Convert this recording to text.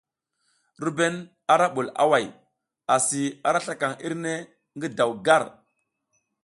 RUBEN ara bul away, asi ara slakaŋ irne ngi daw gar.